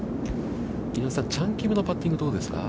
チャン・キムのパッティングはどうですか。